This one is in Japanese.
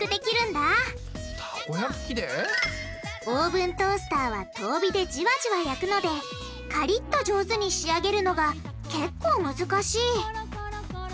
オーブントースターは遠火でじわじわ焼くのでカリッと上手に仕上げるのがけっこう難しい。